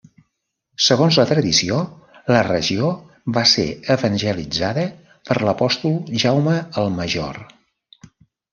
Segons la tradició la regió va ser evangelitzada per l'apòstol Jaume el Major.